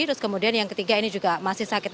terus kemudian yang ketiga ini juga masih sakit